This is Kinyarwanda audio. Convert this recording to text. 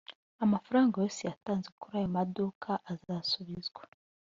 amafaranga yose yatanzwe kuri ayo maduka azasubizwa